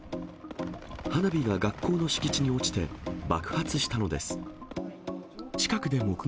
花火が学校の敷地に落ちて、爆発したのです。